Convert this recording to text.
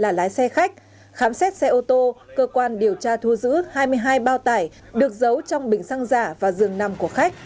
là lái xe khách khám xét xe ô tô cơ quan điều tra thu giữ hai mươi hai bao tải được giấu trong bình xăng giả và rừng nằm của khách